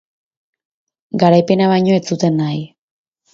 Garaipena bainoa ez zuten nahi.